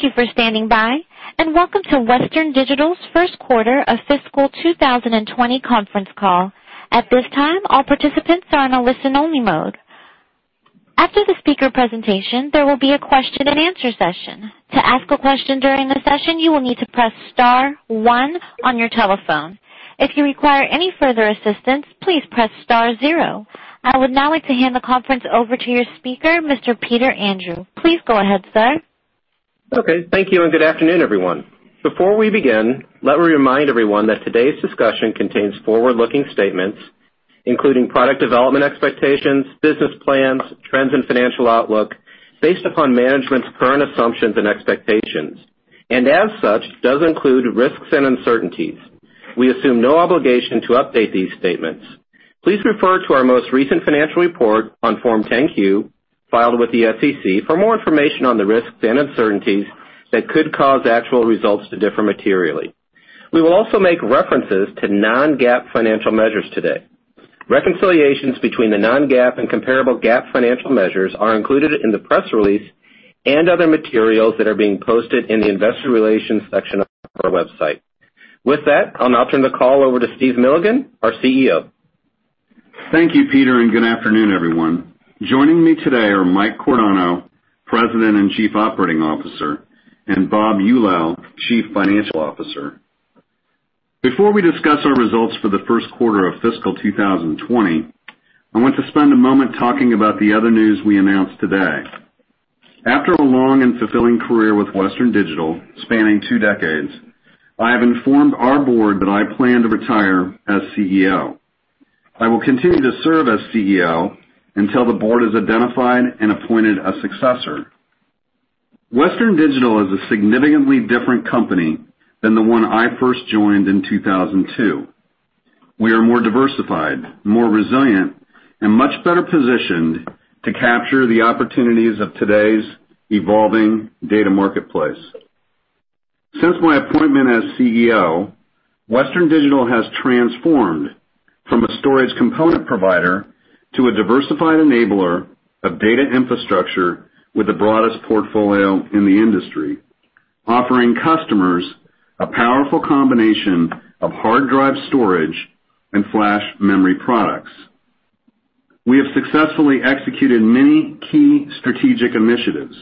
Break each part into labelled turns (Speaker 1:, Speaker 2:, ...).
Speaker 1: Thank you for standing by, and welcome to Western Digital's first quarter of fiscal 2020 conference call. At this time, all participants are in a listen-only mode. After the speaker presentation, there will be a question and answer session. To ask a question during the session, you will need to press star one on your telephone. If you require any further assistance, please press star zero. I would now like to hand the conference over to your speaker, Mr. Peter Andrew. Please go ahead, sir.
Speaker 2: Okay, thank you, and good afternoon, everyone. Before we begin, let me remind everyone that today's discussion contains forward-looking statements, including product development expectations, business plans, trends, and financial outlook based upon management's current assumptions and expectations. As such, does include risks and uncertainties. We assume no obligation to update these statements. Please refer to our most recent financial report on Form 10-Q filed with the SEC for more information on the risks and uncertainties that could cause actual results to differ materially. We will also make references to non-GAAP financial measures today. Reconciliations between the non-GAAP and comparable GAAP financial measures are included in the press release and other materials that are being posted in the investor relations section of our website. With that, I'll now turn the call over to Steve Milligan, our CEO.
Speaker 3: Thank you, Peter, and good afternoon, everyone. Joining me today are Mike Cordano, President and Chief Operating Officer, and Robert Eulau, Chief Financial Officer. Before we discuss our results for the first quarter of fiscal 2020, I want to spend a moment talking about the other news we announced today. After a long and fulfilling career with Western Digital spanning two decades, I have informed our board that I plan to retire as CEO. I will continue to serve as CEO until the board has identified and appointed a successor. Western Digital is a significantly different company than the one I first joined in 2002. We are more diversified, more resilient, and much better positioned to capture the opportunities of today's evolving data marketplace. Since my appointment as CEO, Western Digital has transformed from a storage component provider to a diversified enabler of data infrastructure with the broadest portfolio in the industry, offering customers a powerful combination of hard drive storage and flash memory products. We have successfully executed many key strategic initiatives,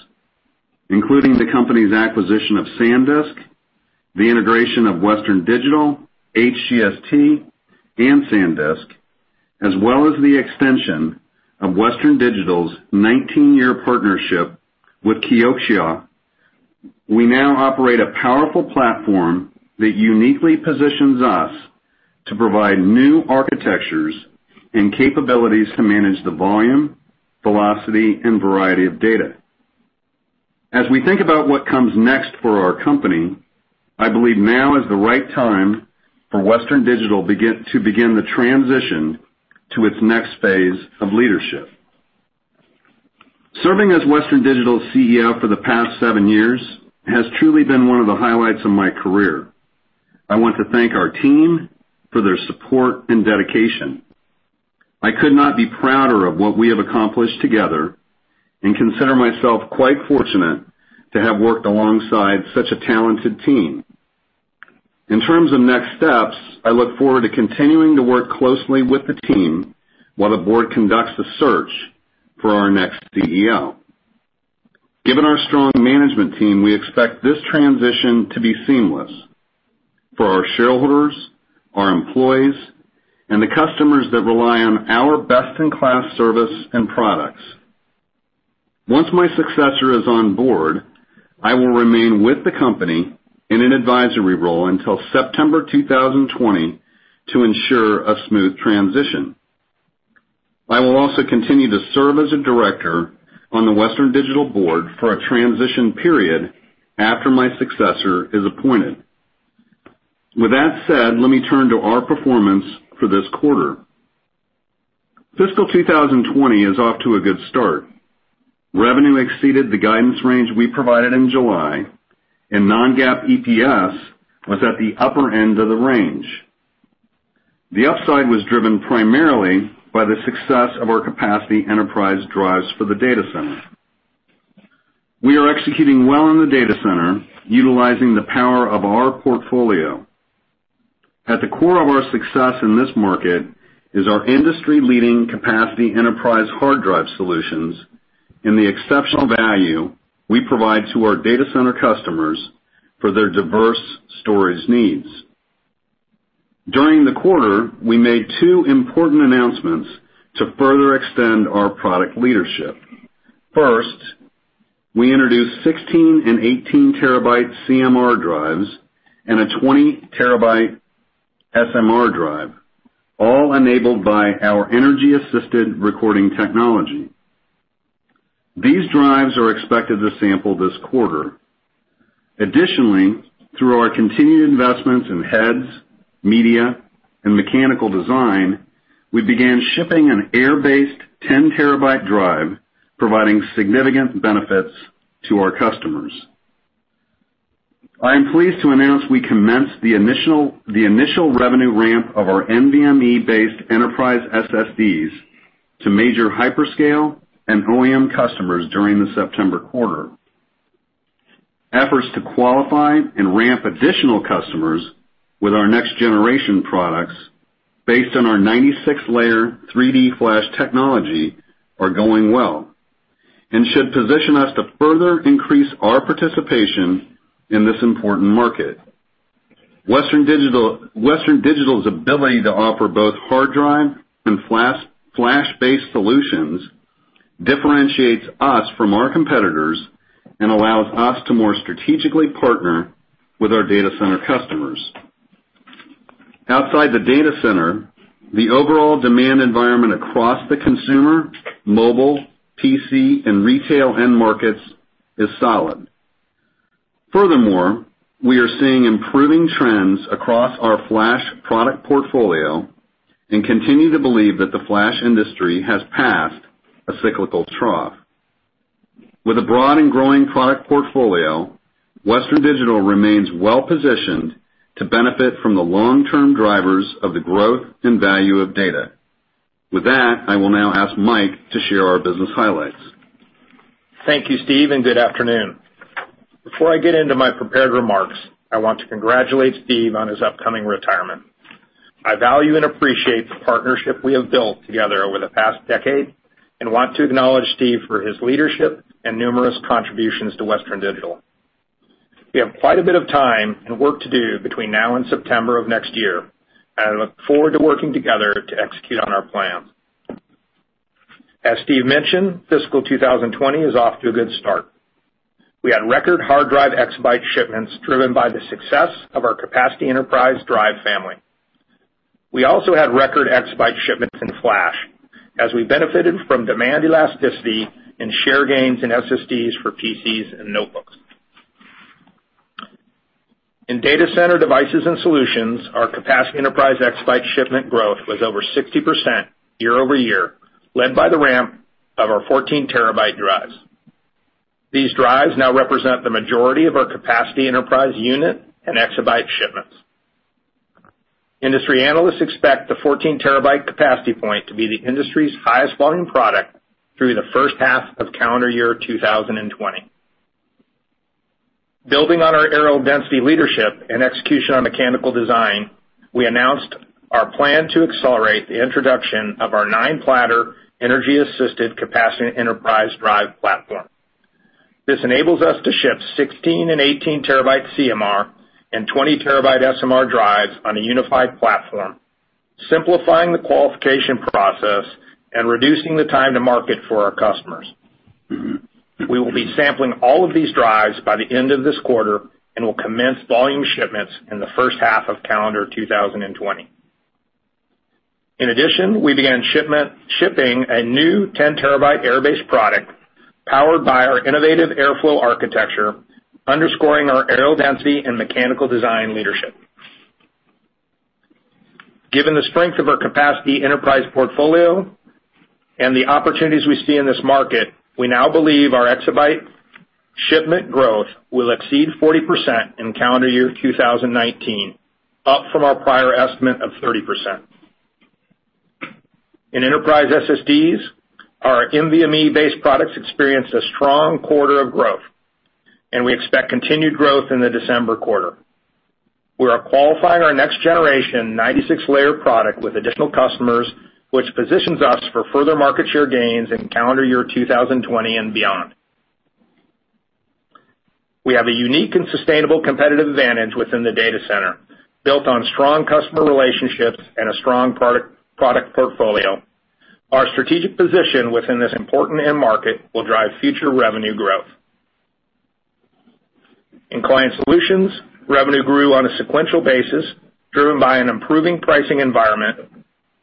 Speaker 3: including the company's acquisition of SanDisk, the integration of Western Digital, HGST, and SanDisk, as well as the extension of Western Digital's 19-year partnership with Kioxia. We now operate a powerful platform that uniquely positions us to provide new architectures and capabilities to manage the volume, velocity, and variety of data. As we think about what comes next for our company, I believe now is the right time for Western Digital to begin the transition to its next phase of leadership. Serving as Western Digital's CEO for the past seven years has truly been one of the highlights of my career. I want to thank our team for their support and dedication. I could not be prouder of what we have accomplished together and consider myself quite fortunate to have worked alongside such a talented team. In terms of next steps, I look forward to continuing to work closely with the team while the board conducts a search for our next CEO. Given our strong management team, we expect this transition to be seamless for our shareholders, our employees, and the customers that rely on our best-in-class service and products. Once my successor is on board, I will remain with the company in an advisory role until September 2020 to ensure a smooth transition. I will also continue to serve as a director on the Western Digital board for a transition period after my successor is appointed. With that said, let me turn to our performance for this quarter. Fiscal 2020 is off to a good start. Revenue exceeded the guidance range we provided in July, and non-GAAP EPS was at the upper end of the range. The upside was driven primarily by the success of our capacity enterprise drives for the data center. We are executing well in the data center, utilizing the power of our portfolio. At the core of our success in this market is our industry-leading capacity enterprise hard drive solutions and the exceptional value we provide to our data center customers for their diverse storage needs. During the quarter, we made two important announcements to further extend our product leadership. First, we introduced 16 and 18 terabyte CMR drives and a 20 terabyte SMR drive, all enabled by our energy-assisted recording technology. These drives are expected to sample this quarter. Additionally, through our continued investments in heads, media, and mechanical design, we began shipping an air-based 10 terabyte drive, providing significant benefits to our customers. I am pleased to announce we commenced the initial revenue ramp of our NVMe-based enterprise SSDs to major hyperscale and OEM customers during the September quarter. Efforts to qualify and ramp additional customers with our next-generation products based on our 96-layer 3D Flash technology are going well and should position us to further increase our participation in this important market. Western Digital's ability to offer both hard drive and flash-based solutions differentiates us from our competitors and allows us to more strategically partner with our data center customers. Outside the data center, the overall demand environment across the consumer, mobile, PC, and retail end markets is solid. Furthermore, we are seeing improving trends across our flash product portfolio and continue to believe that the flash industry has passed a cyclical trough. With a broad and growing product portfolio, Western Digital remains well-positioned to benefit from the long-term drivers of the growth and value of data. With that, I will now ask Mike to share our business highlights.
Speaker 4: Thank you, Steve, and good afternoon. Before I get into my prepared remarks, I want to congratulate Steve on his upcoming retirement. I value and appreciate the partnership we have built together over the past decade and want to acknowledge Steve for his leadership and numerous contributions to Western Digital. We have quite a bit of time and work to do between now and September of next year, and I look forward to working together to execute on our plan. As Steve mentioned, fiscal 2020 is off to a good start. We had record hard drive exabyte shipments driven by the success of our capacity enterprise drive family. We also had record exabyte shipments in Flash as we benefited from demand elasticity and share gains in SSDs for PCs and notebooks. In data center devices and solutions, our capacity enterprise exabyte shipment growth was over 60% year-over-year, led by the ramp of our 14-terabyte drives. These drives now represent the majority of our capacity enterprise unit and exabyte shipments. Industry analysts expect the 14-terabyte capacity point to be the industry's highest volume product through the first half of calendar year 2020. Building on our areal density leadership and execution on mechanical design, we announced our plan to accelerate the introduction of our nine-platter energy-assisted capacity enterprise drive platform. This enables us to ship 16- and 18-terabyte CMR and 20-terabyte SMR drives on a unified platform, simplifying the qualification process and reducing the time to market for our customers. We will be sampling all of these drives by the end of this quarter and will commence volume shipments in the first half of calendar 2020. In addition, we began shipping a new 10-terabyte air-based product powered by our innovative airflow architecture, underscoring our aerial density and mechanical design leadership. Given the strength of our capacity enterprise portfolio and the opportunities we see in this market, we now believe our exabyte shipment growth will exceed 40% in calendar year 2019, up from our prior estimate of 30%. In enterprise SSDs, our NVMe-based products experienced a strong quarter of growth, and we expect continued growth in the December quarter. We are qualifying our next-generation 96-layer product with additional customers, which positions us for further market share gains in calendar year 2020 and beyond. We have a unique and sustainable competitive advantage within the data center, built on strong customer relationships and a strong product portfolio. Our strategic position within this important end market will drive future revenue growth. In client solutions, revenue grew on a sequential basis, driven by an improving pricing environment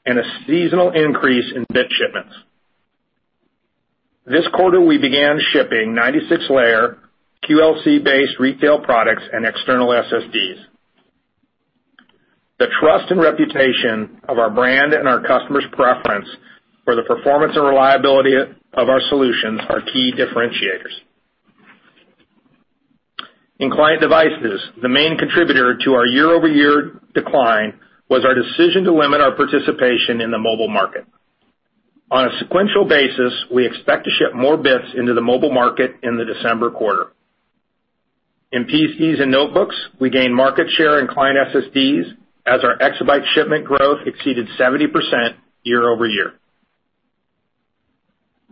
Speaker 4: and a seasonal increase in bit shipments. This quarter, we began shipping 96-layer QLC-based retail products and external SSDs. The trust and reputation of our brand and our customers' preference for the performance and reliability of our solutions are key differentiators. In client devices, the main contributor to our year-over-year decline was our decision to limit our participation in the mobile market. On a sequential basis, we expect to ship more bits into the mobile market in the December quarter. In PCs and notebooks, we gained market share in client SSDs as our exabyte shipment growth exceeded 70% year-over-year.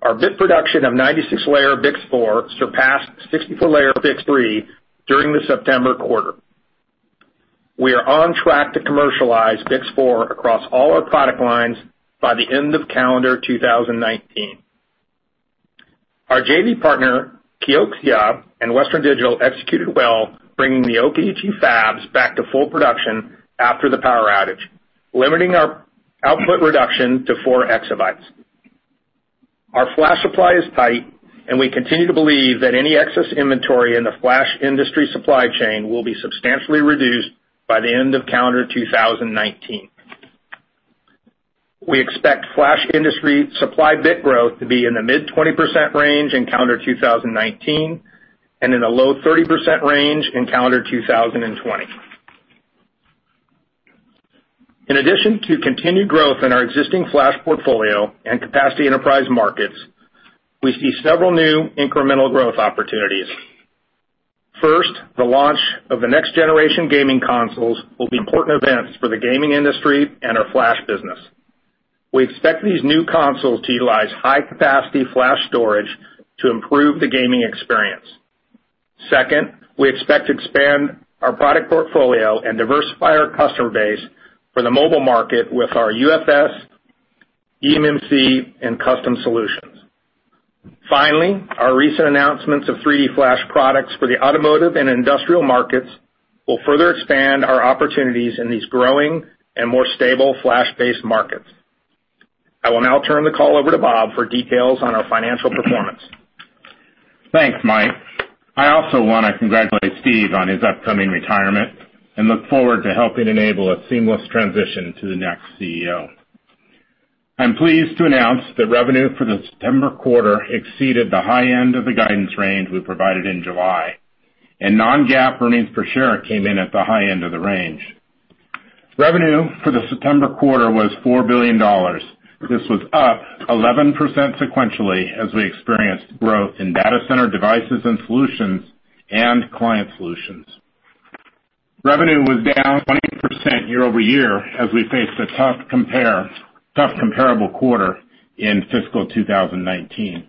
Speaker 4: Our bit production of 96-layer BiCS4 surpassed 64-layer BiCS3 during the September quarter. We are on track to commercialize BiCS4 across all our product lines by the end of calendar 2019. Our JV partner, Kioxia, and Western Digital executed well, bringing the Yokkaichi fabs back to full production after the power outage, limiting our output reduction to 4 exabytes. Our flash supply is tight. We continue to believe that any excess inventory in the flash industry supply chain will be substantially reduced by the end of calendar 2019. We expect flash industry supply bit growth to be in the mid 20% range in calendar 2019 and in the low 30% range in calendar 2020. In addition to continued growth in our existing flash portfolio and capacity enterprise markets, we see several new incremental growth opportunities. First, the launch of the next-generation gaming consoles will be important events for the gaming industry and our flash business. We expect these new consoles to utilize high-capacity flash storage to improve the gaming experience. Second, we expect to expand our product portfolio and diversify our customer base for the mobile market with our UFS, eMMC, and custom solutions. Finally, our recent announcements of 3D Flash products for the automotive and industrial markets will further expand our opportunities in these growing and more stable flash-based markets. I will now turn the call over to Bob for details on our financial performance.
Speaker 5: Thanks, Mike. I also want to congratulate Steve on his upcoming retirement and look forward to helping enable a seamless transition to the next CEO. I'm pleased to announce that revenue for the September quarter exceeded the high end of the guidance range we provided in July, and non-GAAP earnings per share came in at the high end of the range. Revenue for the September quarter was $4 billion. This was up 11% sequentially as we experienced growth in data center devices and solutions and client solutions. Revenue was down 20% year over year as we faced a tough comparable quarter in fiscal 2019.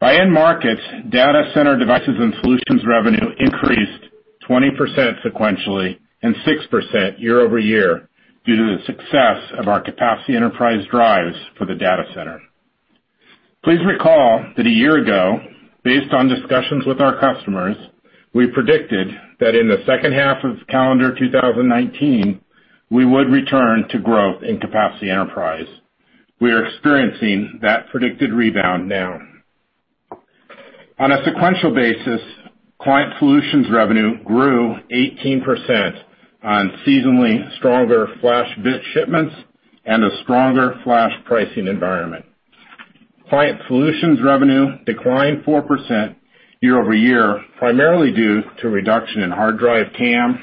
Speaker 5: By end markets, data center devices and solutions revenue increased 20% sequentially and 6% year over year due to the success of our capacity enterprise drives for the data center. Please recall that a year ago, based on discussions with our customers, we predicted that in the second half of calendar 2019, we would return to growth in capacity enterprise. We are experiencing that predicted rebound now. On a sequential basis, client solutions revenue grew 18% on seasonally stronger flash bit shipments and a stronger flash pricing environment. Client solutions revenue declined 4% year-over-year, primarily due to a reduction in hard drive TAM.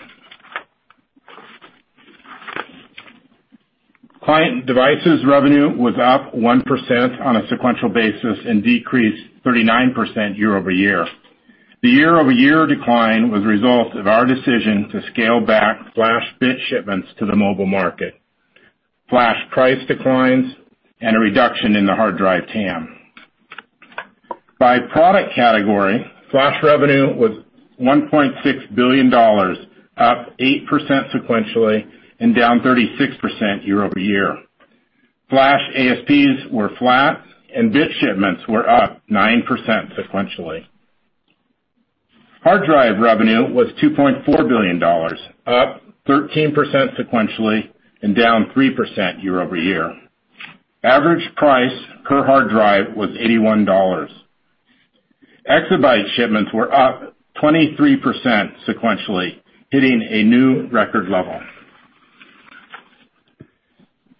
Speaker 5: Client devices revenue was up 1% on a sequential basis and decreased 39% year-over-year. The year-over-year decline was a result of our decision to scale back flash bit shipments to the mobile market, flash price declines, and a reduction in the hard drive TAM. By product category, flash revenue was $1.6 billion, up 8% sequentially and down 36% year-over-year. Flash ASPs were flat, and bit shipments were up 9% sequentially. Hard drive revenue was $2.4 billion, up 13% sequentially and down 3% year-over-year. Average price per hard drive was $81. Exabyte shipments were up 23% sequentially, hitting a new record level.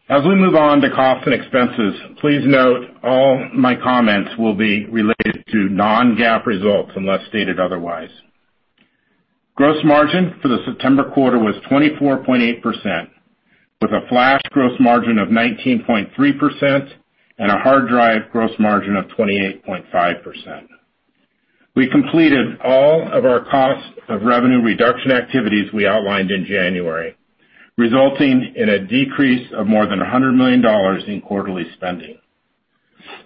Speaker 5: As we move on to costs and expenses, please note all my comments will be related to non-GAAP results unless stated otherwise. Gross margin for the September quarter was 24.8%, with a flash gross margin of 19.3% and a hard drive gross margin of 28.5%. We completed all of our cost of revenue reduction activities we outlined in January, resulting in a decrease of more than $100 million in quarterly spending.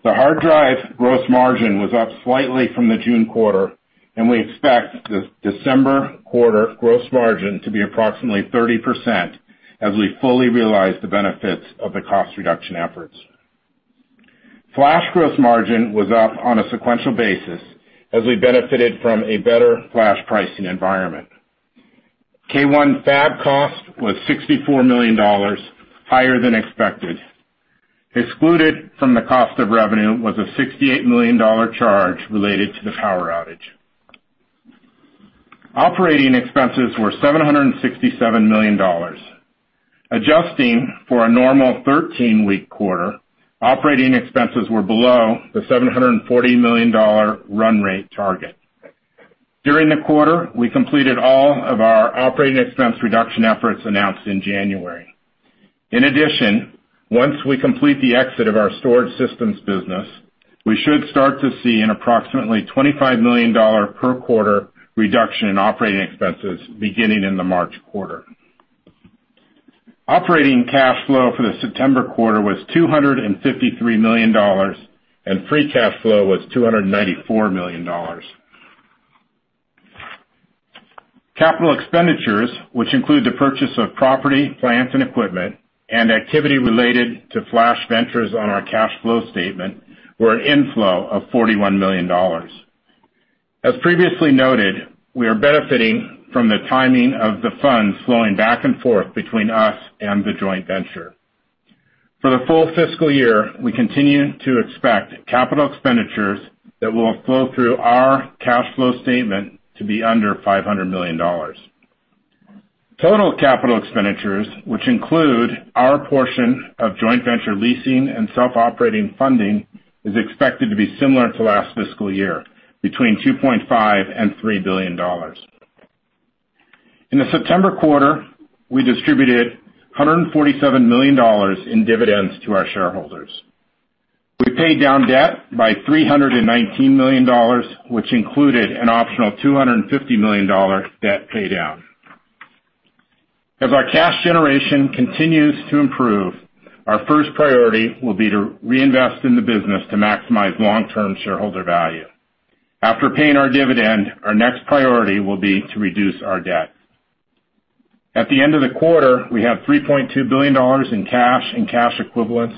Speaker 5: The hard drive gross margin was up slightly from the June quarter, and we expect the December quarter gross margin to be approximately 30% as we fully realize the benefits of the cost reduction efforts. Flash gross margin was up on a sequential basis as we benefited from a better flash pricing environment. K1 fab cost was $64 million, higher than expected. Excluded from the cost of revenue was a $68 million charge related to the power outage. Operating expenses were $767 million. Adjusting for a normal 13-week quarter, operating expenses were below the $740 million run rate target. During the quarter, we completed all of our operating expense reduction efforts announced in January. In addition, once we complete the exit of our storage systems business, we should start to see an approximately $25 million per quarter reduction in operating expenses beginning in the March quarter. Operating cash flow for the September quarter was $253 million, and free cash flow was $294 million. Capital expenditures, which include the purchase of property, plant, and equipment and activity related to flash ventures on our cash flow statement, were an inflow of $41 million. As previously noted, we are benefiting from the timing of the funds flowing back and forth between us and the joint venture. For the full fiscal year, we continue to expect capital expenditures that will flow through our cash flow statement to be under $500 million. Total capital expenditures, which include our portion of joint venture leasing and self-operating funding, is expected to be similar to last fiscal year, between $2.5 billion and $3 billion. In the September quarter, we distributed $147 million in dividends to our shareholders. We paid down debt by $319 million, which included an optional $250 million debt paydown. As our cash generation continues to improve, our first priority will be to reinvest in the business to maximize long-term shareholder value. After paying our dividend, our next priority will be to reduce our debt. At the end of the quarter, we have $3.2 billion in cash and cash equivalents.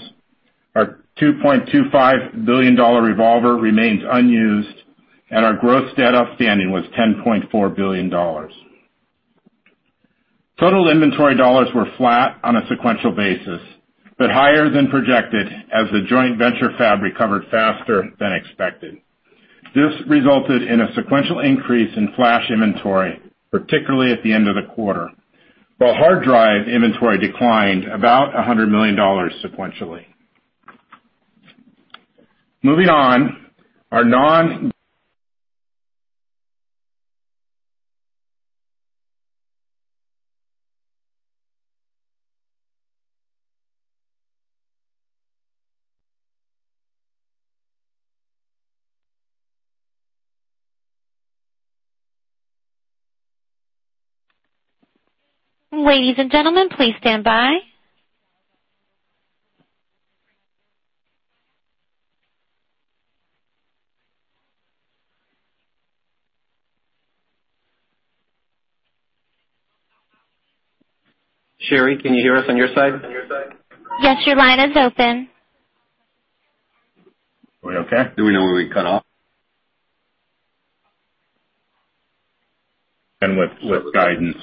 Speaker 5: Our $2.25 billion revolver remains unused, and our gross debt outstanding was $10.4 billion. Total inventory dollars were flat on a sequential basis, but higher than projected as the joint venture fab recovered faster than expected. This resulted in a sequential increase in flash inventory, particularly at the end of the quarter, while hard drive inventory declined about $100 million sequentially. Moving on, our non-
Speaker 1: Ladies and gentlemen, please stand by.
Speaker 5: Sherry, can you hear us on your side?
Speaker 1: Yes, your line is open.
Speaker 5: Are we okay? Do we know where we cut off? With guidance.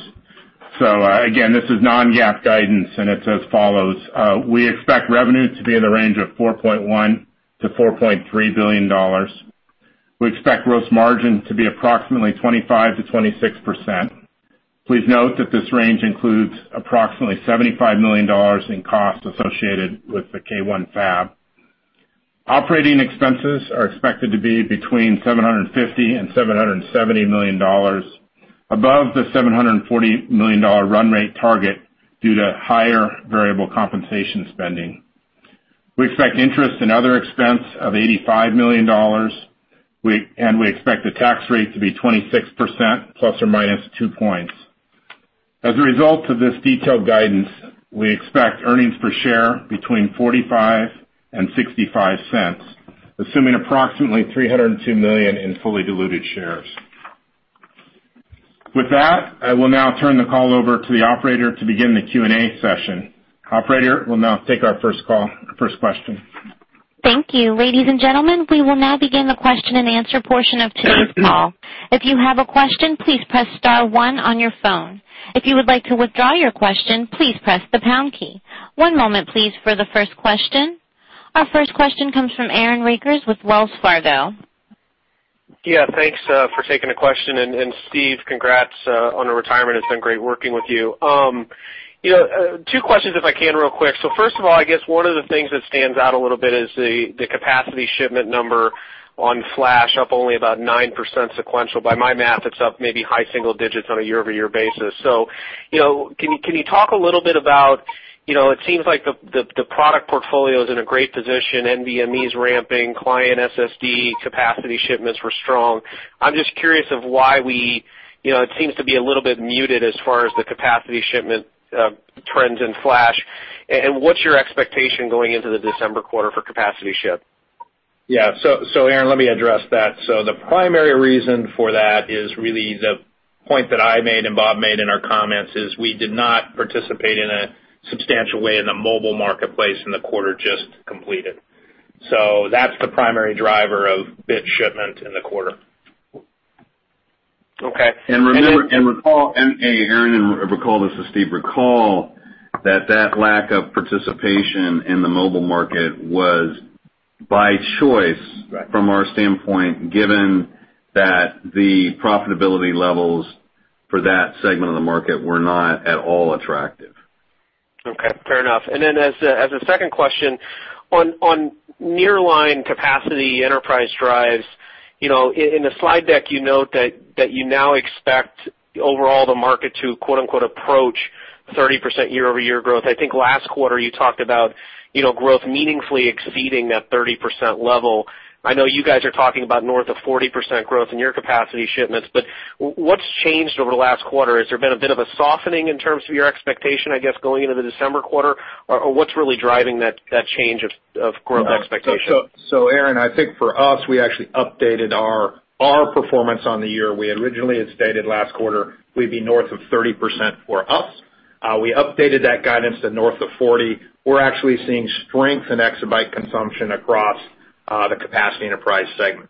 Speaker 5: Again, this is non-GAAP guidance, and it's as follows. We expect revenue to be in the range of $4.1 billion-$4.3 billion. We expect gross margin to be approximately 25%-26%. Please note that this range includes approximately $75 million in costs associated with the K1 fab. Operating expenses are expected to be between $750 million and $770 million, above the $740 million run rate target due to higher variable compensation spending. We expect interest in other expense of $85 million, and we expect the tax rate to be 26%, ±2 points. As a result of this detailed guidance, we expect earnings per share between $0.45 and $0.65, assuming approximately 302 million in fully diluted shares. With that, I will now turn the call over to the operator to begin the Q&A session. Operator, we'll now take our first call, first question.
Speaker 1: Thank you. Ladies and gentlemen, we will now begin the question and answer portion of today's call. If you have a question, please press star one on your phone. If you would like to withdraw your question, please press the pound key. One moment, please, for the first question. Our first question comes from Aaron Rakers with Wells Fargo.
Speaker 6: Thanks for taking the question, Steve, congrats on your retirement. It's been great working with you. Two questions, if I can, real quick. First of all, I guess one of the things that stands out a little bit is the capacity shipment number on flash up only about 9% sequential. By my math, it's up maybe high single digits on a year-over-year basis. Can you talk a little bit about, it seems like the product portfolio is in a great position, NVMe is ramping, client SSD capacity shipments were strong. I'm just curious of why it seems to be a little bit muted as far as the capacity shipment trends in flash. What's your expectation going into the December quarter for capacity ship?
Speaker 4: Yeah. Aaron Rakers, let me address that. The primary reason for that is really the point that I made and Bob made in our comments is we did not participate in a substantial way in the mobile marketplace in the quarter just completed. That's the primary driver of bit shipment in the quarter.
Speaker 6: Okay.
Speaker 3: Aaron, this is Steve. Recall that that lack of participation in the mobile market was by choice.
Speaker 4: Right from our standpoint, given that the profitability levels for that segment of the market were not at all attractive.
Speaker 6: Okay, fair enough. As a second question, on nearline capacity enterprise drives, in the slide deck, you note that you now expect overall the market to quote unquote "approach 30% year-over-year growth." I think last quarter you talked about growth meaningfully exceeding that 30% level. I know you guys are talking about north of 40% growth in your capacity shipments, but what's changed over the last quarter? Has there been a bit of a softening in terms of your expectation, I guess, going into the December quarter? What's really driving that change of growth expectation?
Speaker 5: Aaron, I think for us, we actually updated our performance on the year. We originally had stated last quarter we'd be north of 30% for us. We updated that guidance to north of 40%. We're actually seeing strength in exabyte consumption across the capacity enterprise segment.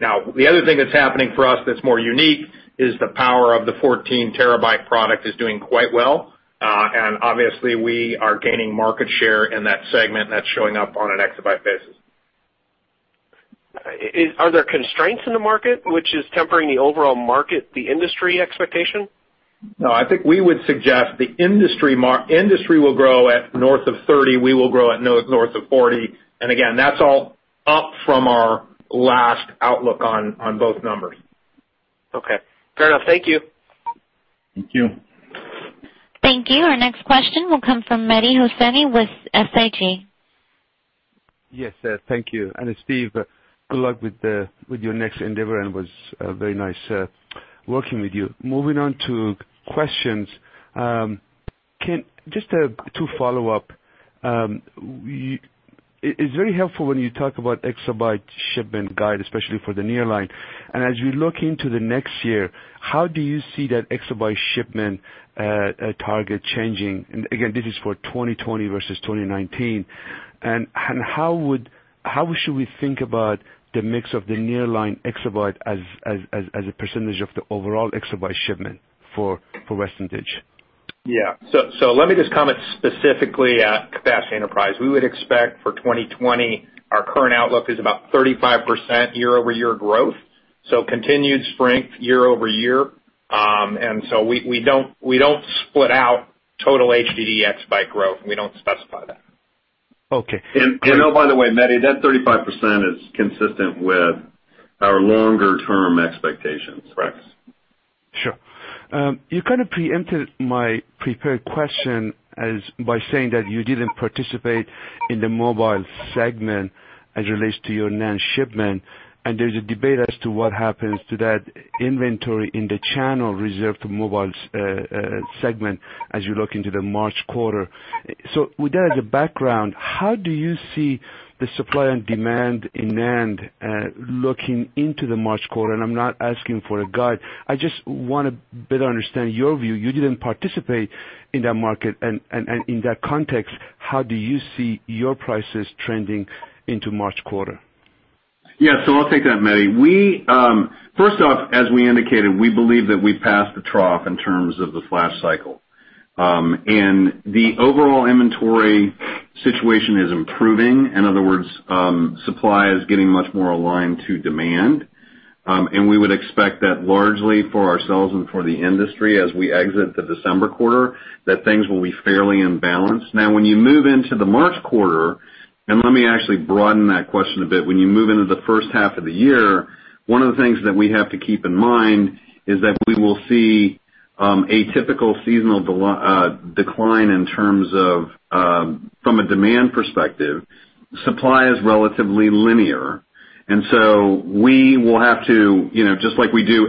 Speaker 5: The other thing that's happening for us that's more unique is the power of the 14 terabyte product is doing quite well. Obviously, we are gaining market share in that segment, and that's showing up on an exabyte basis.
Speaker 6: Are there constraints in the market which is tempering the overall market, the industry expectation?
Speaker 4: No, I think we would suggest the industry will grow at north of 30%, we will grow at north of 40%. Again, that's all up from our last outlook on both numbers.
Speaker 6: Okay. Fair enough. Thank you.
Speaker 4: Thank you.
Speaker 1: Thank you. Our next question will come from Mehdi Hosseini with SIG.
Speaker 7: Yes, thank you. Steve, good luck with your next endeavor, and it was very nice working with you. Moving on to questions. Just to follow up, it's very helpful when you talk about exabyte shipment guide, especially for the nearline. As you look into the next year, how do you see that exabyte shipment target changing? Again, this is for 2020 versus 2019. How should we think about the mix of the nearline exabyte as a percentage of the overall exabyte shipment for Western Digital?
Speaker 4: Yeah. Let me just comment specifically at capacity enterprise. We would expect for 2020, our current outlook is about 35% year-over-year growth. Continued strength year-over-year. We don't split out total HDD exabyte growth, and we don't specify that.
Speaker 7: Okay.
Speaker 3: Oh, by the way, Mehdi, that 35% is consistent with our longer-term expectations.
Speaker 4: Correct.
Speaker 7: Sure. You kind of preempted my prepared question by saying that you didn't participate in the mobile segment as it relates to your NAND shipment, and there's a debate as to what happens to that inventory in the channel reserved to mobile segment as you look into the March quarter. With that as a background, how do you see the supply and demand in NAND looking into the March quarter? I'm not asking for a guide, I just want to better understand your view. You didn't participate in that market, and in that context, how do you see your prices trending into March quarter?
Speaker 3: Yeah. I'll take that, Mehdi. First off, as we indicated, we believe that we've passed the trough in terms of the flash cycle. The overall inventory situation is improving. In other words, supply is getting much more aligned to demand. We would expect that largely for ourselves and for the industry as we exit the December quarter, that things will be fairly in balance. Now, when you move into the March quarter, and let me actually broaden that question a bit. When you move into the first half of the year, one of the things that we have to keep in mind is that we will see a typical seasonal decline in terms of, from a demand perspective, supply is relatively linear. We will have to, just like we do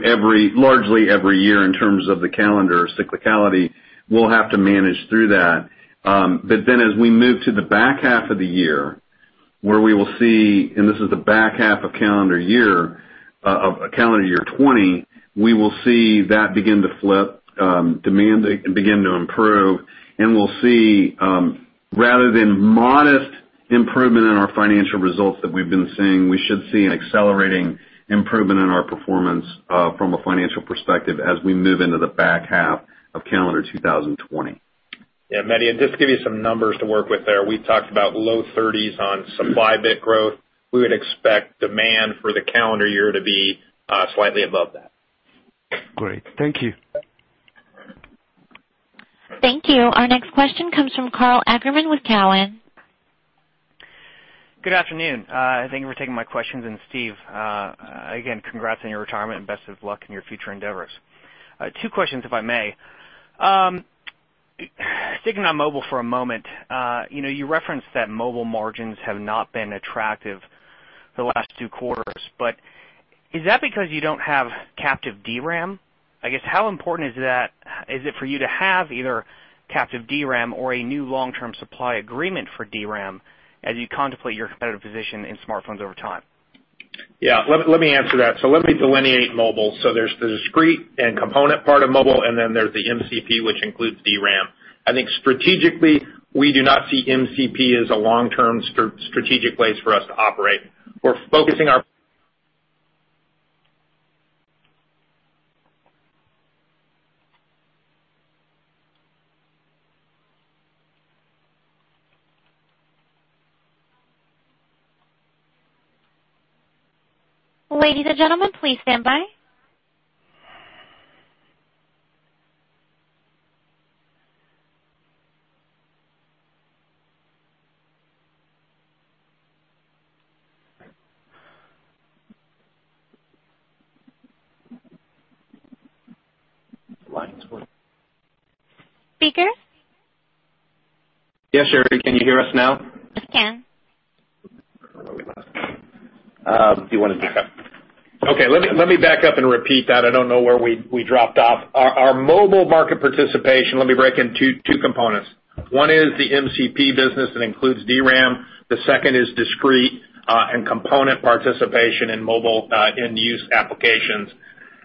Speaker 3: largely every year in terms of the calendar cyclicality, we'll have to manage through that. As we move to the back half of the year, where we will see, and this is the back half of calendar year 2020, we will see that begin to flip, demand begin to improve, and we'll see, rather than modest improvement in our financial results that we've been seeing, we should see an accelerating improvement in our performance, from a financial perspective, as we move into the back half of calendar 2020.
Speaker 4: Yeah, Mehdi, just to give you some numbers to work with there, we talked about low 30s on supply bit growth. We would expect demand for the calendar year to be slightly above that.
Speaker 7: Great. Thank you.
Speaker 1: Thank you. Our next question comes from Karl Ackerman with Cowen.
Speaker 8: Good afternoon. Thank you for taking my questions. Steve, again, congrats on your retirement and best of luck in your future endeavors. Two questions, if I may. Sticking on mobile for a moment, you referenced that mobile margins have not been attractive the last two quarters, is that because you don't have captive DRAM? I guess how important is it for you to have either captive DRAM or a new long-term supply agreement for DRAM as you contemplate your competitive position in smartphones over time?
Speaker 4: Yeah. Let me answer that. Let me delineate mobile. There's the discrete and component part of mobile, and then there's the MCP, which includes DRAM. I think strategically, we do not see MCP as a long-term strategic place for us to operate.
Speaker 1: Ladies and gentlemen, please stand by.
Speaker 4: The line's gone.
Speaker 1: Speaker?
Speaker 4: Yeah, Sherry, can you hear us now?
Speaker 1: Yes, can.
Speaker 4: Okay. Let me back up and repeat that. I don't know where we dropped off. Our mobile market participation, let me break in two components. One is the MCP business that includes DRAM. The second is discrete, and component participation in mobile end-use applications.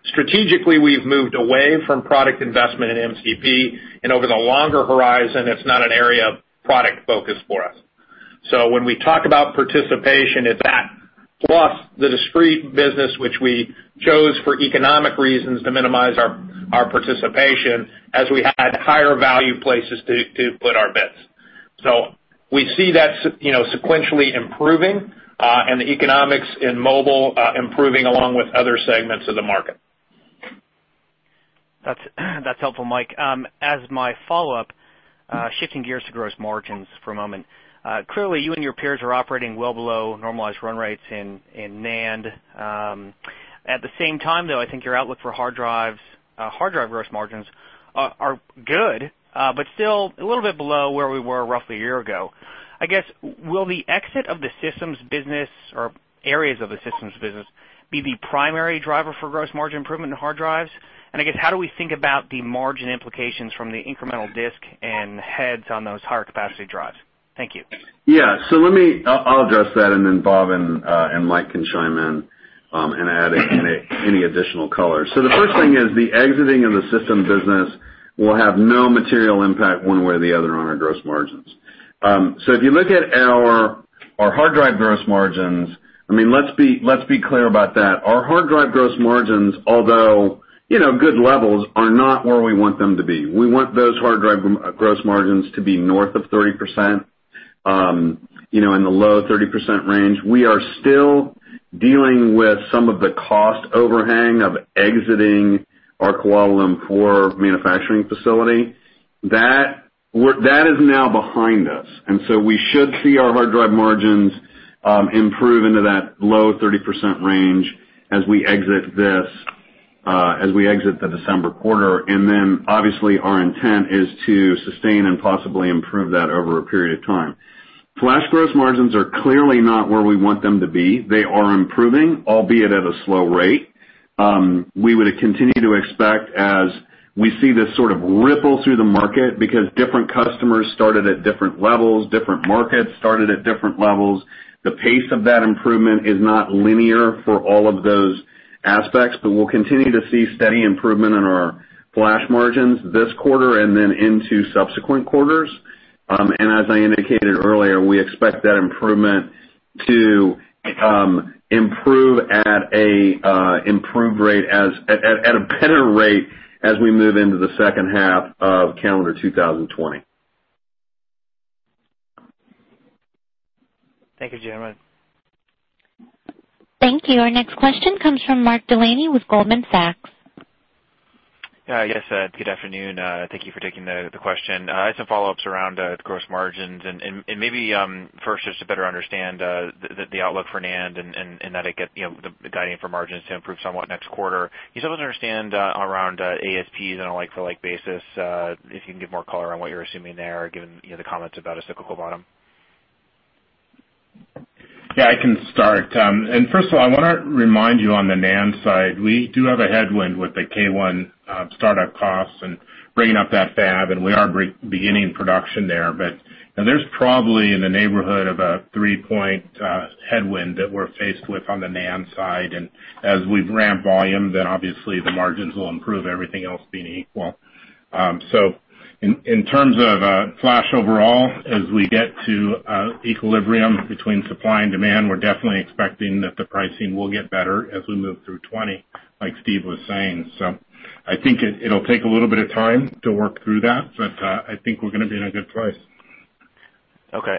Speaker 4: Strategically, we've moved away from product investment in MCP, and over the longer horizon, it's not an area of product focus for us. When we talk about participation, it's that plus the discrete business, which we chose for economic reasons to minimize our participation as we had higher value places to put our bets.
Speaker 3: We see that sequentially improving, and the economics in mobile improving along with other segments of the market.
Speaker 8: That's helpful, Mike. As my follow-up, shifting gears to gross margins for a moment. Clearly, you and your peers are operating well below normalized run rates in NAND. At the same time, though, I think your outlook for hard drive gross margins are good, but still a little bit below where we were roughly a year ago. I guess, will the exit of the systems business or areas of the systems business be the primary driver for gross margin improvement in hard drives? I guess, how do we think about the margin implications from the incremental disk and heads on those higher capacity drives? Thank you.
Speaker 3: Yeah. I'll address that, and then Bob and Mike can chime in and add any additional color. The first thing is the exiting of the system business will have no material impact one way or the other on our gross margins. If you look at our hard drive gross margins, let's be clear about that. Our hard drive gross margins, although good levels, are not where we want them to be. We want those hard drive gross margins to be north of 30%, in the low 30% range. We are still dealing with some of the cost overhang of exiting our Kuala Lumpur manufacturing facility. That is now behind us, we should see our hard drive margins improve into that low 30% range as we exit the December quarter. Obviously our intent is to sustain and possibly improve that over a period of time. Flash gross margins are clearly not where we want them to be. They are improving, albeit at a slow rate. We would continue to expect as we see this sort of ripple through the market, because different customers started at different levels, different markets started at different levels. The pace of that improvement is not linear for all of those aspects, but we'll continue to see steady improvement in our Flash margins this quarter and then into subsequent quarters. As I indicated earlier, we expect that improvement to improve at a better rate as we move into the second half of calendar 2020.
Speaker 8: Thank you, gentlemen.
Speaker 1: Thank you. Our next question comes from Mark Delaney with Goldman Sachs.
Speaker 9: Yeah, I guess, good afternoon. Thank you for taking the question. I had some follow-ups around gross margins. Maybe first just to better understand the outlook for NAND and that the guiding for margins to improve somewhat next quarter. I still don't understand around ASPs on a like-for-like basis, if you can give more color on what you're assuming there, given the comments about a cyclical bottom.
Speaker 5: I can start. First of all, I want to remind you on the NAND side, we do have a headwind with the K1 startup costs and bringing up that fab, and we are beginning production there. There's probably in the neighborhood of a 3-point headwind that we're faced with on the NAND side. As we ramp volume, obviously the margins will improve, everything else being equal. In terms of flash overall, as we get to equilibrium between supply and demand, we're definitely expecting that the pricing will get better as we move through 2020, like Steve was saying. I think it'll take a little bit of time to work through that, but I think we're going to be in a good place.
Speaker 9: Okay.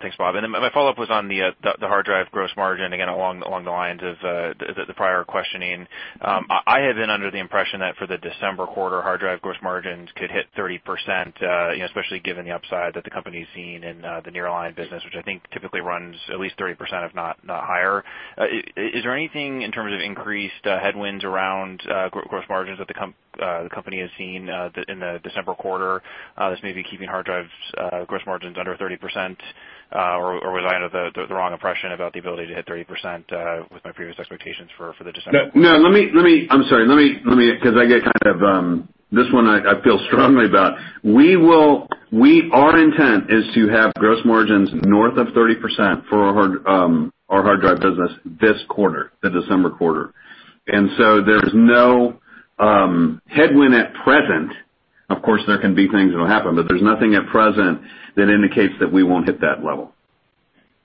Speaker 9: Thanks, Bob. My follow-up was on the hard drive gross margin, again, along the lines of the prior questioning. I have been under the impression that for the December quarter, hard drive gross margins could hit 30%, especially given the upside that the company's seen in the nearline business, which I think typically runs at least 30%, if not higher. Is there anything in terms of increased headwinds around gross margins that the company has seen in the December quarter that's maybe keeping hard drives gross margins under 30%? Was I under the wrong impression about the ability to hit 30% with my previous expectations for the December quarter?
Speaker 3: No. I'm sorry, because I get kind of This one I feel strongly about. Our intent is to have gross margins north of 30% for our hard drive business this quarter, the December quarter. There's no headwind at present. Of course, there can be things that'll happen, but there's nothing at present that indicates that we won't hit that level.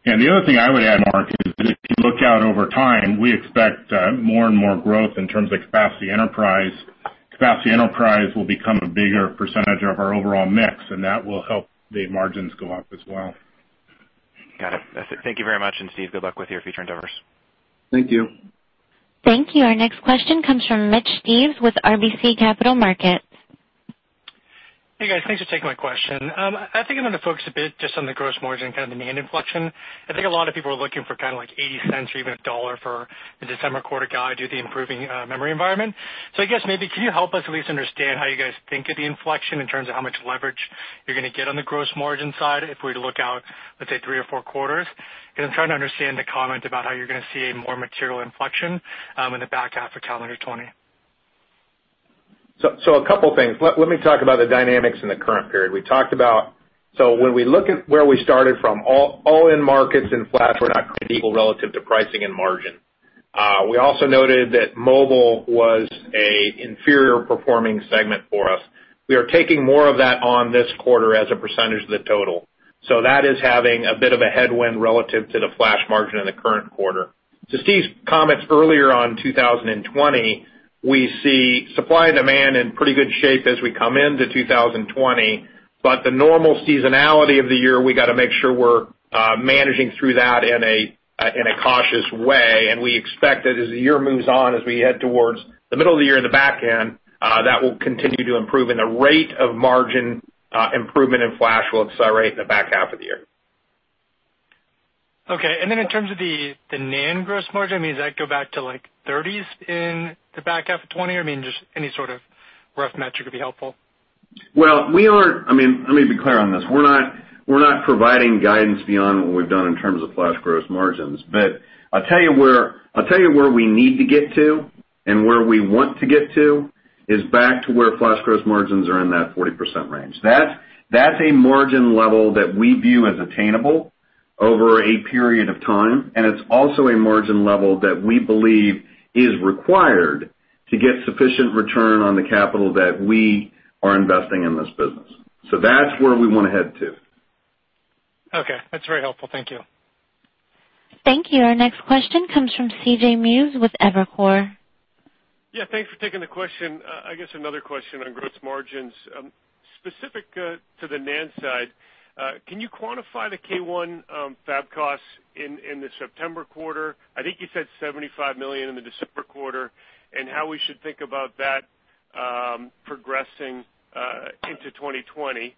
Speaker 3: The other thing I would add, Mark, is if you look out over time, we expect more and more growth in terms of capacity enterprise. Capacity enterprise will become a bigger percentage of our overall mix, and that will help the margins go up as well.
Speaker 9: Got it. Thank you very much. Steve, good luck with your future endeavors.
Speaker 3: Thank you.
Speaker 1: Thank you. Our next question comes from Mitch Steves with RBC Capital Markets.
Speaker 10: Hey, guys. Thanks for taking my question. I think I'm going to focus a bit just on the gross margin, kind of the main inflection. I think a lot of people are looking for $0.80 or even a dollar for the December quarter guide due to the improving memory environment. I guess maybe can you help us at least understand how you guys think of the inflection in terms of how much leverage you're going to get on the gross margin side if we were to look out, let's say, three or four quarters? I'm trying to understand the comment about how you're going to see a more material inflection in the back half of calendar 2020.
Speaker 4: A couple of things. Let me talk about the dynamics in the current period. When we look at where we started from, all-in markets and flash were not created equal relative to pricing and margin. We also noted that mobile was an inferior-performing segment for us. We are taking more of that on this quarter as a percentage of the total. That is having a bit of a headwind relative to the flash margin in the current quarter. To Steve's comments earlier on 2020, we see supply and demand in pretty good shape as we come into 2020, but the normal seasonality of the year, we got to make sure we're managing through that in a cautious way. We expect that as the year moves on, as we head towards the middle of the year and the back end, that will continue to improve, and the rate of margin improvement in flash will accelerate in the back half of the year.
Speaker 10: Okay. Then in terms of the NAND gross margin, does that go back to like 30s in the back half of 2020? I mean, just any sort of rough metric would be helpful.
Speaker 3: Let me be clear on this. We're not providing guidance beyond what we've done in terms of flash gross margins. I'll tell you where we need to get to and where we want to get to is back to where flash gross margins are in that 40% range. That's a margin level that we view as attainable over a period of time, and it's also a margin level that we believe is required to get sufficient return on the capital that we are investing in this business. That's where we want to head to.
Speaker 10: Okay. That's very helpful. Thank you.
Speaker 1: Thank you. Our next question comes from C.J. Muse with Evercore.
Speaker 11: Yeah, thanks for taking the question. I guess another question on gross margins. Specific to the NAND side, can you quantify the Kioxia fab costs in the September quarter? I think you said $75 million in the December quarter, how we should think about that progressing into 2020.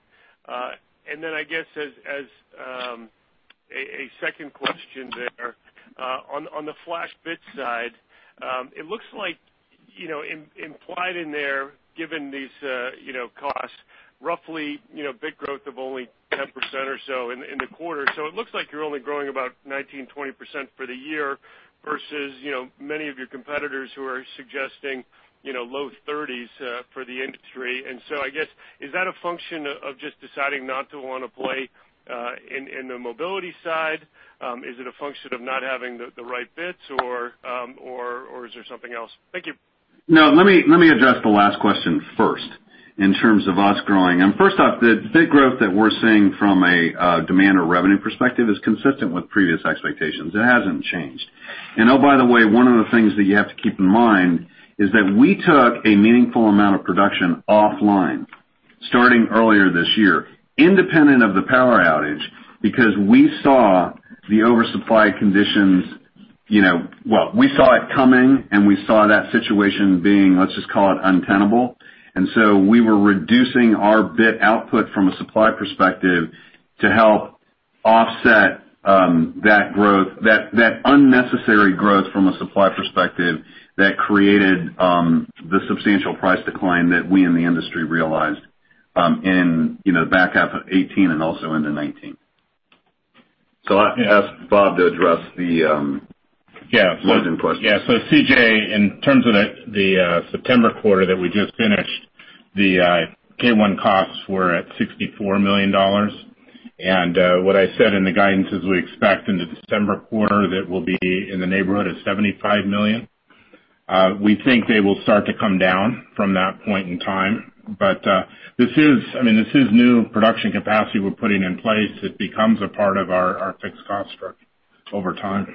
Speaker 11: I guess as a second question there, on the flash bit side, it looks like implied in there, given these costs, roughly bit growth of only 10% or so in the quarter. It looks like you're only growing about 19%-20% for the year versus many of your competitors who are suggesting low 30s for the industry. I guess, is that a function of just deciding not to want to play in the mobility side? Is it a function of not having the right bits or is there something else? Thank you.
Speaker 4: Let me address the last question first in terms of us growing. First off, the bit growth that we're seeing from a demand or revenue perspective is consistent with previous expectations. It hasn't changed. Oh, by the way, one of the things that you have to keep in mind is that we took a meaningful amount of production offline starting earlier this year, independent of the power outage, because we saw the oversupply conditions, well, we saw it coming, and we saw that situation being, let's just call it untenable. We were reducing our bit output from a supply perspective to help offset that unnecessary growth from a supply perspective that created the substantial price decline that we in the industry realized in the back half of 2018 and also into 2019. I'll ask Bob to address the margin question.
Speaker 5: CJ, in terms of the September quarter that we just finished, the K1 costs were at $64 million. What I said in the guidance is we expect in the December quarter that we'll be in the neighborhood of $75 million. We think they will start to come down from that point in time. This is new production capacity we're putting in place. It becomes a part of our fixed cost structure over time.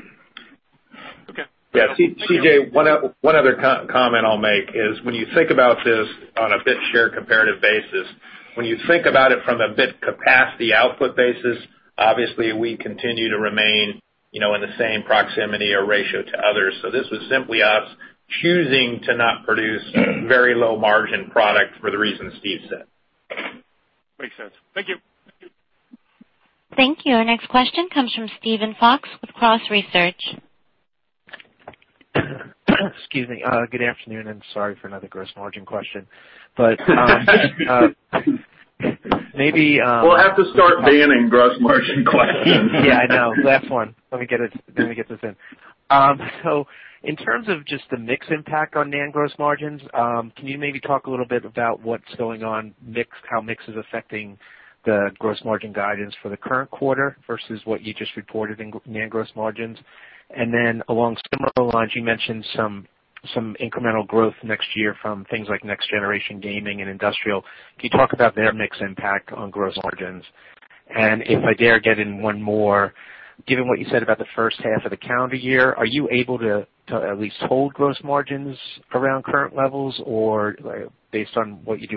Speaker 11: Okay.
Speaker 4: Yeah, C.J., one other comment I'll make is when you think about this on a bit share comparative basis, when you think about it from a bit capacity output basis, obviously we continue to remain in the same proximity or ratio to others. This was simply us choosing to not produce very low margin product for the reason Steve said.
Speaker 11: Makes sense. Thank you.
Speaker 1: Thank you. Our next question comes from Steven Fox with Cross Research.
Speaker 12: Excuse me. Good afternoon, sorry for another gross margin question.
Speaker 3: We'll have to start banning gross margin questions.
Speaker 12: Yeah, I know. Last one. Let me get this in. In terms of just the mix impact on NAND gross margins, can you maybe talk a little bit about what's going on mix, how mix is affecting the gross margin guidance for the current quarter versus what you just reported in NAND gross margins? Then along similar lines, you mentioned some incremental growth next year from things like next generation gaming and industrial. Can you talk about their mix impact on gross margins? If I dare get in one more, given what you said about the first half of the calendar year, are you able to at least hold gross margins around current levels or based on where you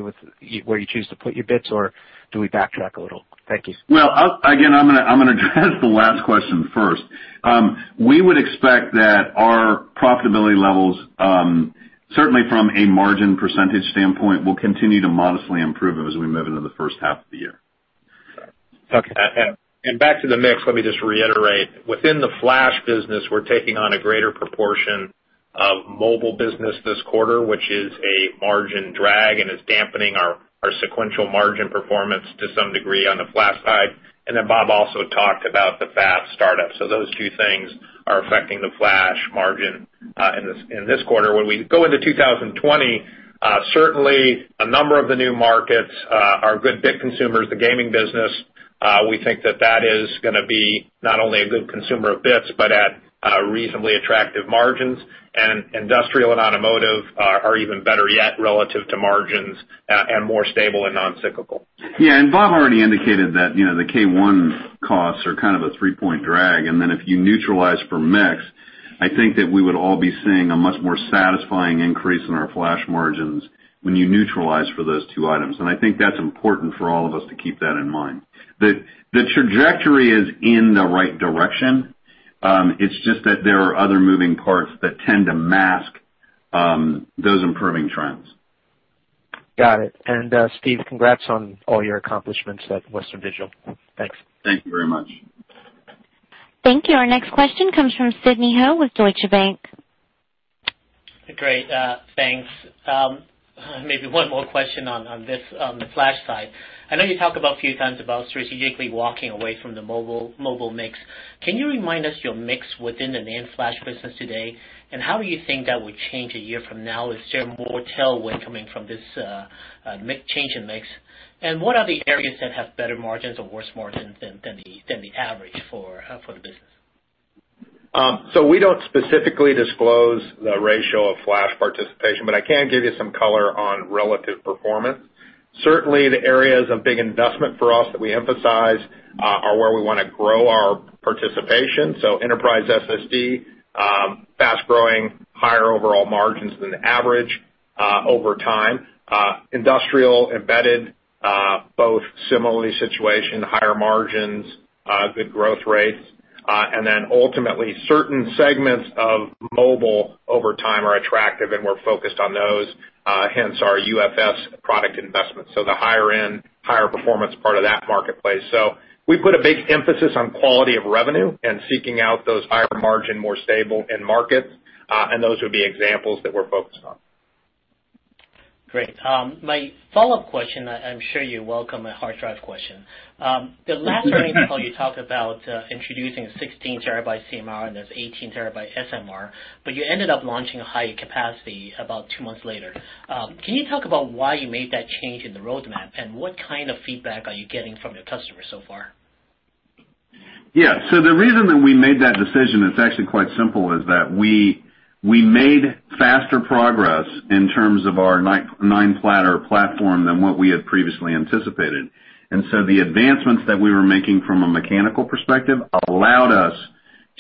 Speaker 12: choose to put your bits, or do we backtrack a little? Thank you.
Speaker 3: Well, again, I'm going to address the last question first. We would expect that our profitability levels, certainly from a margin percentage standpoint, will continue to modestly improve as we move into the first half of the year.
Speaker 12: Okay.
Speaker 4: Back to the mix, let me just reiterate. Within the flash business, we're taking on a greater proportion of mobile business this quarter, which is a margin drag and is dampening our sequential margin performance to some degree on the flash side. Then Bob also talked about the fab startup. Those two things are affecting the flash margin in this quarter. When we go into 2020, certainly a number of the new markets are good bit consumers. The gaming business, we think that that is going to be not only a good consumer of bits but at reasonably attractive margins, and industrial and automotive are even better yet relative to margins and more stable and non-cyclical.
Speaker 3: Yeah, Bob already indicated that the K1 costs are kind of a three-point drag, then if you neutralize for mix, I think that we would all be seeing a much more satisfying increase in our flash margins when you neutralize for those two items. I think that's important for all of us to keep that in mind. The trajectory is in the right direction. It's just that there are other moving parts that tend to mask those improving trends.
Speaker 12: Got it. Steve, congrats on all your accomplishments at Western Digital. Thanks.
Speaker 3: Thank you very much.
Speaker 1: Thank you. Our next question comes from Sidney Ho with Deutsche Bank.
Speaker 13: Great, thanks. Maybe one more question on the flash side. I know you talked about a few times about strategically walking away from the mobile mix. Can you remind us your mix within the NAND flash business today? How do you think that will change a year from now? Is there more tailwind coming from this change in mix? What are the areas that have better margins or worse margins than the average for the business?
Speaker 4: We don't specifically disclose the ratio of flash participation, but I can give you some color on relative performance. Certainly, the areas of big investment for us that we emphasize are where we want to grow our participation. Enterprise SSD, fast-growing, higher overall margins than average, over time. Industrial, embedded, both similar situation, higher margins, good growth rates. Ultimately, certain segments of mobile over time are attractive and we're focused on those, hence our UFS product investment. The higher end, higher performance part of that marketplace. We put a big emphasis on quality of revenue and seeking out those higher margin, more stable end markets. Those would be examples that we're focused on.
Speaker 13: Great. My follow-up question, I'm sure you welcome a hard drive question. The last earnings call you talked about introducing a 16 terabyte CMR and this 18 terabyte SMR, but you ended up launching a higher capacity about two months later. Can you talk about why you made that change in the roadmap, and what kind of feedback are you getting from your customers so far?
Speaker 3: Yeah. The reason that we made that decision, it's actually quite simple, is that we made faster progress in terms of our nine-platter platform than what we had previously anticipated. The advancements that we were making from a mechanical perspective allowed us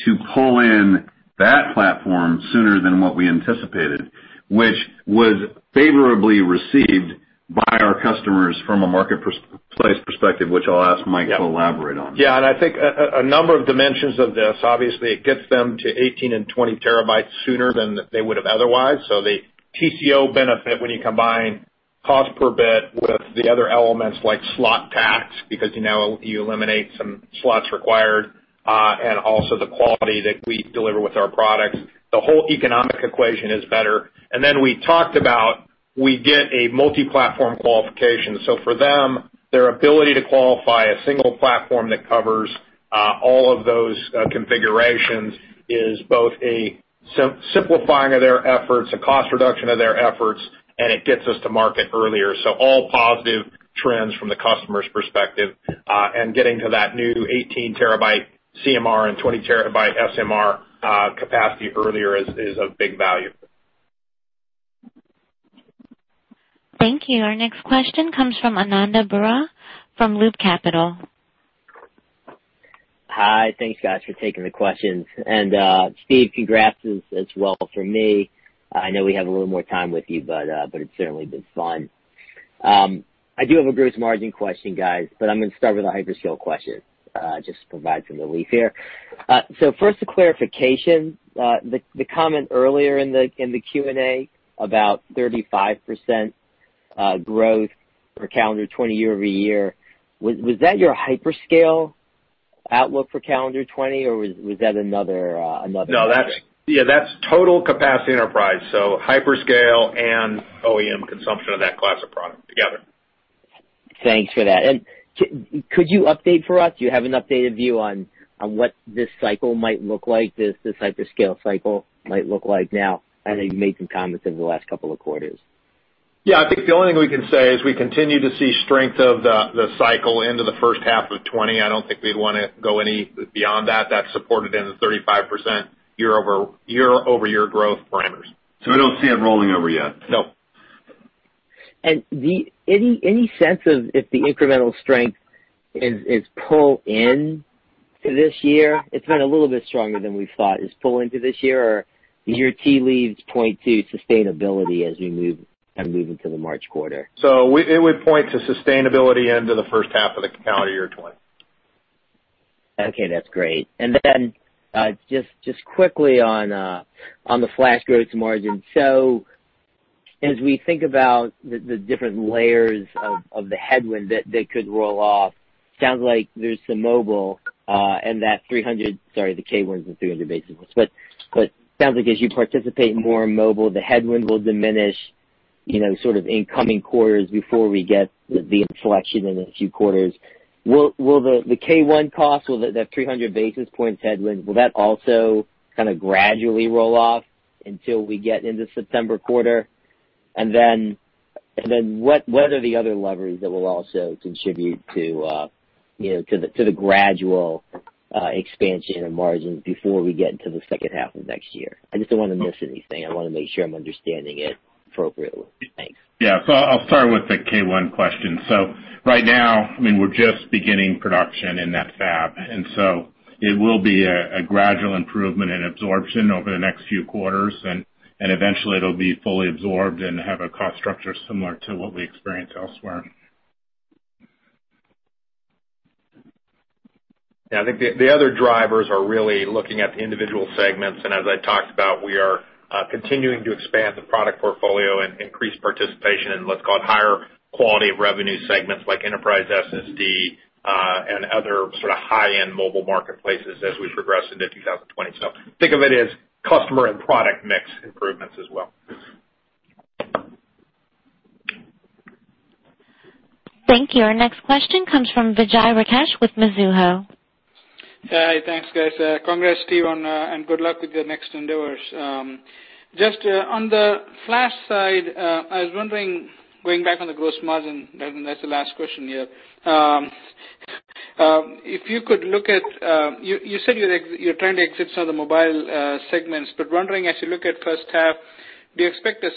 Speaker 3: to pull in that platform sooner than what we anticipated, which was favorably received by our customers from a marketplace perspective, which I'll ask Mike to elaborate on.
Speaker 4: Yeah, I think a number of dimensions of this, obviously it gets them to 18 and 20 terabytes sooner than they would have otherwise. The TCO benefit when you combine cost per bit with the other elements like slot tax, because you now eliminate some slots required, and also the quality that we deliver with our products, the whole economic equation is better. Then we talked about, we get a multi-platform qualification. For them, their ability to qualify a single platform that covers all of those configurations is both a simplifying of their efforts, a cost reduction of their efforts, and it gets us to market earlier. All positive trends from the customer's perspective, and getting to that new 18 terabyte CMR and 20 terabyte SMR capacity earlier is of big value.
Speaker 1: Thank you. Our next question comes from Ananda Baruah from Loop Capital.
Speaker 14: Hi. Thanks, guys for taking the questions. Steve, congrats as well from me. I know we have a little more time with you, but it's certainly been fun. I do have a gross margin question, guys, but I'm going to start with a hyperscale question, just to provide some relief here. First, a clarification. The comment earlier in the Q&A about 35% growth for calendar 2020 year-over-year, was that your hyperscale outlook for calendar 2020, or was that another?
Speaker 4: That's total capacity enterprise. Hyperscale and OEM consumption of that class of product together.
Speaker 14: Thanks for that. Could you update for us, do you have an updated view on what this cycle might look like, this hyperscale cycle might look like now? I know you've made some comments over the last couple of quarters.
Speaker 4: Yeah, I think the only thing we can say is we continue to see strength of the cycle into the first half of 2020. I don't think we'd want to go any beyond that. That's supported in the 35% year-over-year growth parameters.
Speaker 3: We don't see it rolling over yet.
Speaker 4: No.
Speaker 14: Any sense of if the incremental strength is pulled in to this year? It's been a little bit stronger than we thought. Is it pulled into this year, or does your tea leaves point to sustainability as we move into the March quarter?
Speaker 4: It would point to sustainability into the first half of the calendar year 2020.
Speaker 14: Okay, that's great. Then, just quickly on the flash gross margin. As we think about the different layers of the headwind that they could roll off, sounds like there's some mobile, and that 300, sorry, the K1 is the 300 basis points. Sounds like as you participate more in mobile, the headwind will diminish sort of in coming quarters before we get the inflection in a few quarters. Will the K1 cost, will that 300 basis points headwind, will that also kind of gradually roll off until we get into September quarter? What are the other levers that will also contribute to the gradual expansion of margins before we get to the second half of next year. I just don't want to miss anything. I want to make sure I'm understanding it appropriately. Thanks.
Speaker 5: Yeah. I'll start with the K1 question. Right now, we're just beginning production in that fab, and so it will be a gradual improvement in absorption over the next few quarters, and eventually it'll be fully absorbed and have a cost structure similar to what we experience elsewhere.
Speaker 4: Yeah, I think the other drivers are really looking at the individual segments. As I talked about, we are continuing to expand the product portfolio and increase participation in what's called higher quality of revenue segments like enterprise SSD, and other sort of high-end mobile marketplaces as we progress into 2020. Think of it as customer and product mix improvements as well.
Speaker 1: Thank you. Our next question comes from Vijay Rakesh with Mizuho.
Speaker 15: Hi. Thanks, guys. Congrats, Steve, and good luck with your next endeavors. Just on the flash side, I was wondering, going back on the gross margin, that's the last question here. You said you're trying to exit some of the mobile segments, but wondering as you look at first half, do you expect a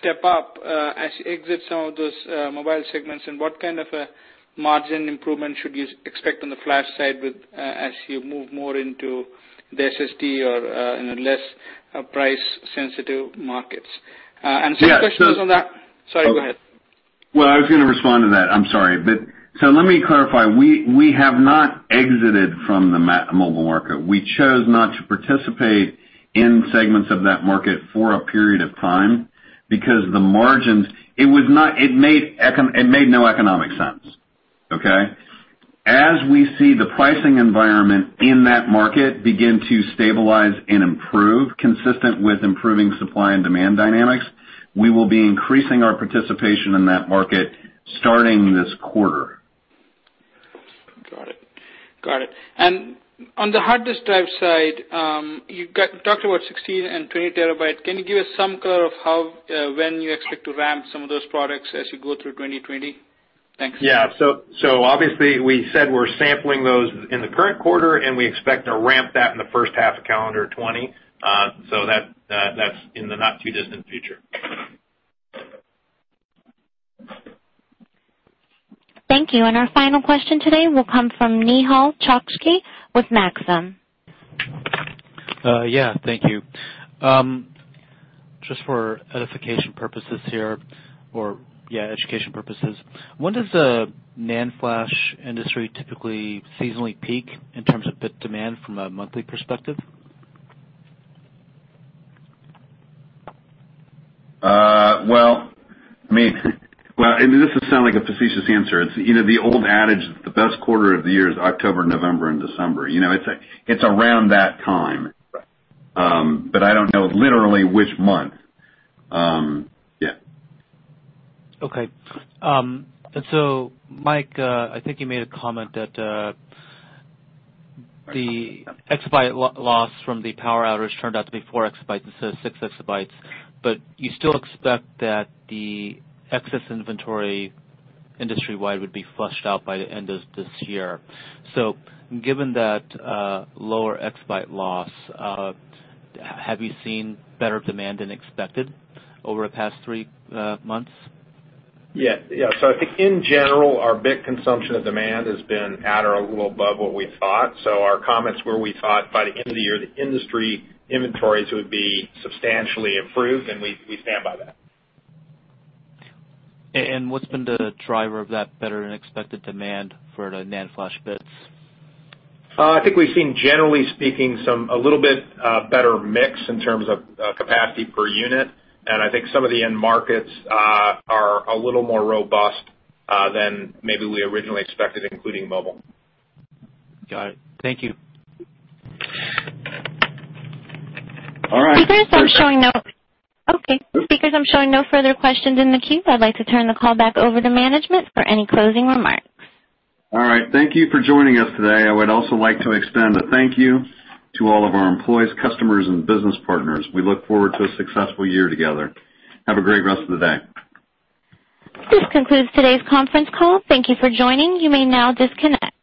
Speaker 15: step up as you exit some of those mobile segments? What kind of a margin improvement should you expect on the flash side as you move more into the SSD or less price-sensitive markets? Sorry, go ahead.
Speaker 3: Well, I was going to respond to that, I'm sorry. Let me clarify. We have not exited from the mobile market. We chose not to participate in segments of that market for a period of time because the margins, it made no economic sense. Okay. As we see the pricing environment in that market begin to stabilize and improve, consistent with improving supply and demand dynamics, we will be increasing our participation in that market starting this quarter.
Speaker 15: Got it. On the hard disk drive side, you talked about 16 and 20 terabytes. Can you give us some color of when you expect to ramp some of those products as you go through 2020? Thanks.
Speaker 3: Yeah. Obviously, we said we're sampling those in the current quarter, and we expect to ramp that in the first half of calendar 2020. That's in the not too distant future.
Speaker 1: Thank you. Our final question today will come from Nehal Chokshi with Maxim.
Speaker 16: Yeah, thank you. Just for edification purposes here, or, yeah, education purposes. When does the NAND flash industry typically seasonally peak in terms of bit demand from a monthly perspective?
Speaker 3: Well, this will sound like a facetious answer. It's the old adage, the best quarter of the year is October, November, and December. It's around that time.
Speaker 16: Right.
Speaker 3: I don't know literally which month. Yeah.
Speaker 16: Okay. Mike, I think you made a comment that the exabyte loss from the power outage turned out to be four exabytes instead of six exabytes, but you still expect that the excess inventory industry-wide would be flushed out by the end of this year. Given that lower exabyte loss, have you seen better demand than expected over the past three months?
Speaker 4: Yeah. I think in general, our bit consumption of demand has been at or a little above what we thought. Our comments were we thought by the end of the year, the industry inventories would be substantially improved, and we stand by that.
Speaker 16: What's been the driver of that better-than-expected demand for the NAND flash bits?
Speaker 4: I think we've seen, generally speaking, a little bit better mix in terms of capacity per unit. I think some of the end markets are a little more robust than maybe we originally expected, including mobile.
Speaker 16: Got it. Thank you.
Speaker 3: All right.
Speaker 1: Okay, speakers, I'm showing no further questions in the queue. I'd like to turn the call back over to management for any closing remarks.
Speaker 5: All right. Thank you for joining us today. I would also like to extend a thank you to all of our employees, customers, and business partners. We look forward to a successful year together. Have a great rest of the day.
Speaker 1: This concludes today's conference call. Thank you for joining. You may now disconnect.